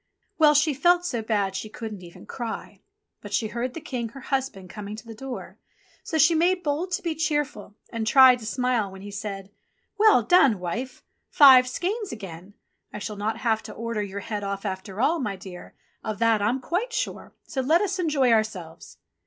Well, she felt so bad she couldn't even cry ; but she heard the King, her husband, coming to the door, so she made bold to be cheerful, and tried to smile when he said, "Well done, wife ! Five skeins again ! I shall not have to order your head off after all, my dear, of that I'm quite sure, so let us enjoy ourselves."